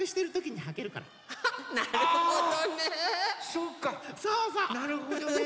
そうかなるほどね。